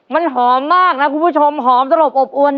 มันหอมมากนะคุณผู้ชมหอมสลบอบอวน